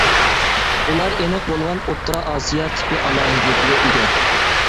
ئۇلار ئېنىق بولغان ئوتتۇرا ئاسىيا تىپى ئالاھىدىلىكىگە ئىگە.